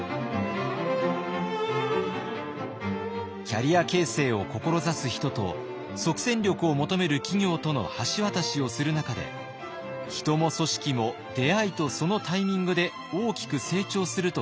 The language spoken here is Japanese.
キャリア形成を志す人と即戦力を求める企業との橋渡しをする中で人も組織も出会いとそのタイミングで大きく成長すると実感しています。